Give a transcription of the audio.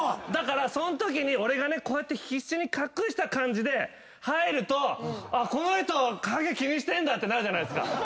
そのときに俺がねこうやって必死に隠した感じで入るとこの人ハゲ気にしてんだってなるじゃないですか。